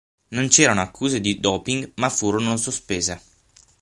Non c'erano accuse di doping ma furono sospese.